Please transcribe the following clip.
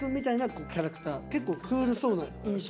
結構クールそうな印象。